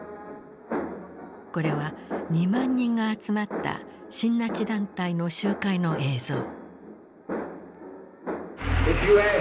これは２万人が集まった親ナチ団体の集会の映像。